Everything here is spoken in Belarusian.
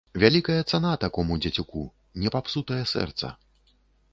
Вялікая цана такому дзецюку, не папсутае сэрца.